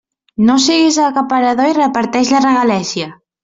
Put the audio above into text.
No siguis acaparador i reparteix la regalèssia.